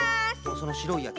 そのしろいやつ？